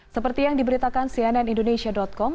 seperti yang diberitakan cnn indonesia com